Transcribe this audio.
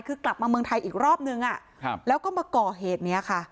คือกลับมาเมืองไทยอีกรอบนึงแล้วก็มาก่อเหตุนี้ค่ะ